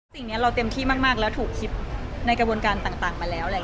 สิ่งนี้เราเต็มที่มากแล้วถูกคิดในกระบวนการต่างมาแล้วแหละ